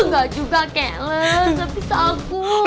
gak juga kak iya tapi takut